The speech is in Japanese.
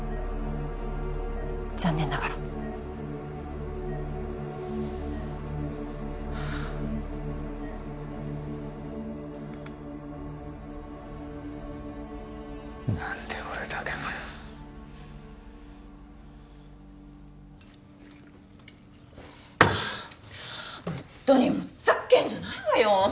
残念ながら何で俺だけがはあんっとにもうふざっけんじゃないわよ！